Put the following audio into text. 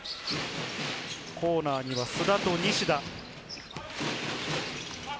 コーナーには須田と西田。